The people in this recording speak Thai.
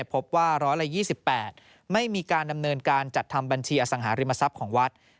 พบว่า๑๒๘ไม่มีการดำเนินการจัดทำบัญชีอสังหาริมทรัพย์ของวัด